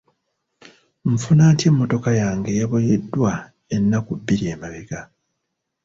Nfuna ntya emmotoka yange eyaboyeddwa ennaku bbiri emabega?